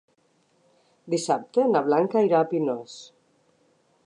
Dissabte na Blanca irà a Pinós.